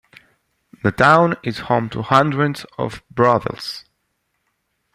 The town is home to hundreds of brothels.